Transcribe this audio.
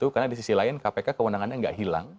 karena di sisi lain kpk kewenangannya nggak hilang